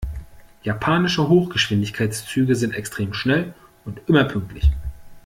Japanische Hochgeschwindigkeitszüge sind extrem schnell und immer pünktlich.